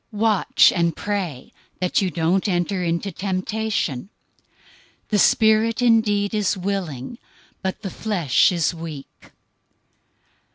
026:041 Watch and pray, that you don't enter into temptation. The spirit indeed is willing, but the flesh is weak."